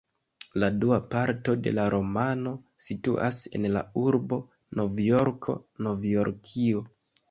La dua parto de la romano situas en la urbo Novjorko, Novjorkio.